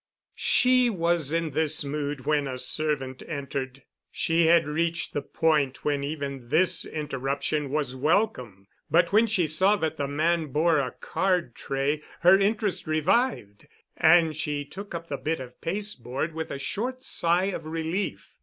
She was in this mood when a servant entered. She had reached the point when even this interruption was welcome, but when she saw that the man bore a card tray her interest revived, and she took up the bit of pasteboard with a short sigh of relief.